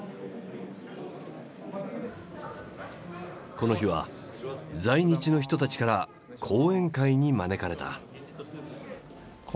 この日は在日の人たちから講演会に招かれた。